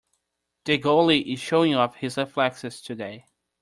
The goalie is showing off his reflexes today.